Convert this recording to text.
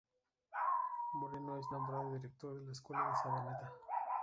Moreno es nombrado director de la escuela de Sabaneta.